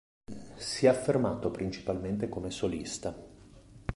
Si è affermato principalmente come solista.